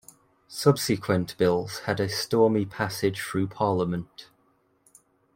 Subsequent bills had a stormy passage through parliament.